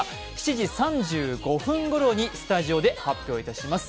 ７時３５分ごろにスタジオで発表します。